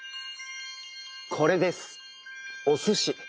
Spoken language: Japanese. これですお寿司。